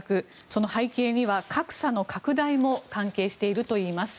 その背景には格差の拡大も関係しているといいます。